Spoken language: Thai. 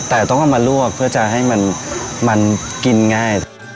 แต่ต้องเอามาลวกเพื่อจะให้มันกินง่าย